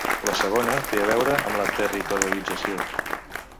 La segona té a veure amb la territorialització.